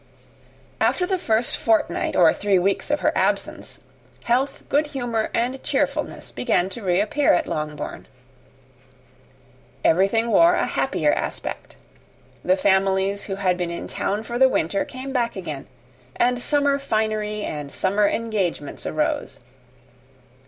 After the first fortnight or three weeks of her absence, health, good humour, and cheerfulness began to reappear at Longbourn. Everything wore a happier aspect. The families who had been in town for the winter came back again, and summer finery and summer engagements arose.